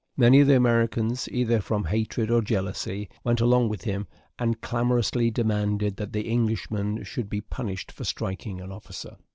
Many of the Americans, either from hatred or jealousy, went along with him, and clamorously demanded that the Englishman should be punished for striking an officer.